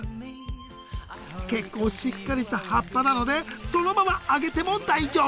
結構しっかりした葉っぱなのでそのまま揚げても大丈夫。